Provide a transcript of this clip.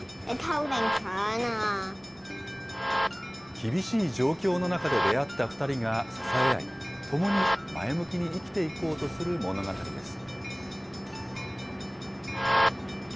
厳しい状況の中で出会った２人が支え合い、共に前向きに生きていこうとする物語です。